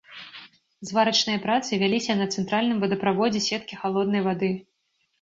Зварачныя працы вяліся на цэнтральным вадаправодзе сеткі халоднай вады.